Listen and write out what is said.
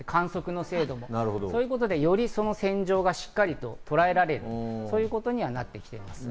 そういうことでより線状がしっかりととらえられる、そういうことにはなってきています。